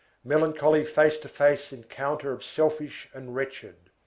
Melancholy face to face encounter of selfish and wretched.